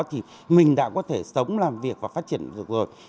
thì mình đã có thể sống làm việc và phát triển được rồi